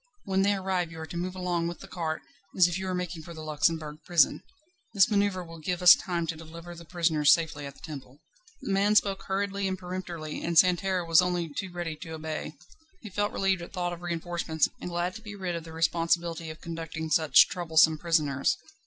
When they arrive you are to move along with the cart, as if you were making for the Luxembourg Prison. This manoeuvre will give us time to deliver the prisoners safely at the Temple." The man spoke hurriedly and peremptorily, and Santerne was only too ready to obey. He felt relieved at thought of reinforcements, and glad to be rid of the responsibility of conducting such troublesome prisoners.